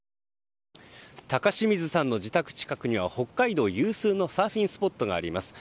高清水さんの自宅近くには北海道有数のサーフィンスポットがあります。